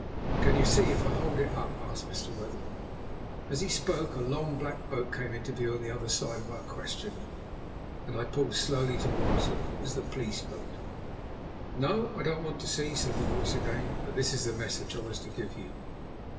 "Can you see if I hold it up?" asked Mr. Wetherell. As he spoke a long, black boat came into view on the other side of our questioner, and pulled slowly towards him. It was the police boat. "No, I don't want to see," said the voice again. "But this is the message I was to give you.